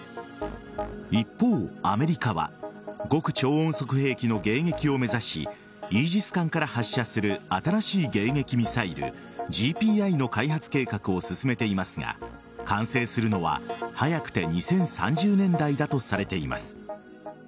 一方、アメリカは極超音速兵器の迎撃を目指しイージス艦から発射する新しい迎撃ミサイルＧＰＩの開発計画を進めていますが完成するのは早くて２０３０年代だとされています。